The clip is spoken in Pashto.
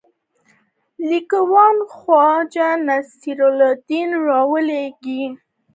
لیکونه خواجه نصیرالدین راوړي وه.